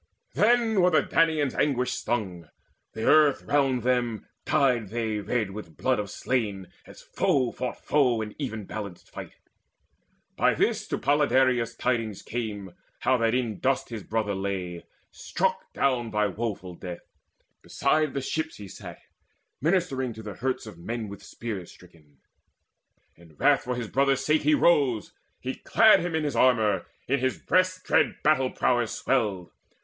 Then were the Danaans anguish stung: the earth All round them dyed they red with blood of slain, As foe fought foe in even balanced fight. By this to Podaleirius tidings came How that in dust his brother lay, struck down By woeful death. Beside the ships he sat Ministering to the hurts of men with spears Stricken. In wrath for his brother's sake he rose, He clad him in his armour; in his breast Dread battle prowess swelled.